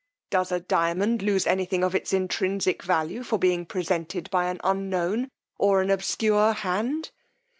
Does a diamond lose any thing of its intrinsic value for being presented by an unknown, or an obscure hand?